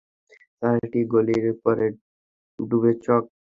চারটি গলির পরে ডুবে চক।